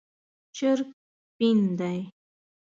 چرګ سپین دی